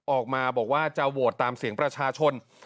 ออกมาบอกว่าจะโหวตตามเสียงประชาชน